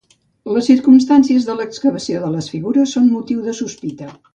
Les circumstàncies de l'excavació de les figures són motiu de sospita.